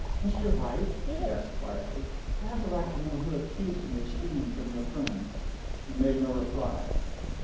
"Mr. White," she asked quietly, "I have a right to know who accused me of stealing from your firm." He made no reply.